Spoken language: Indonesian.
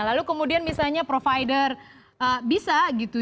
lalu kemudian misalnya provider bisa gitu